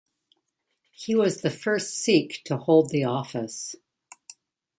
He was the first Sikh to hold the office.